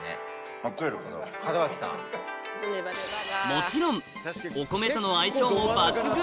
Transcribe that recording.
もちろんお米との相性も抜群